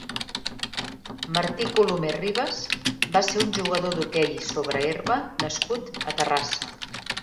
Martí Colomer Ribas va ser un jugador d'hoquei sobre herba nascut a Terrassa.